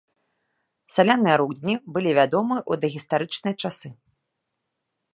Саляныя рудні былі вядомыя ў дагістарычныя часы.